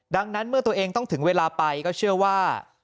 ดังนั้นเมื่อตัวเองต้องถึงเวลาไปก็เชื่อว่า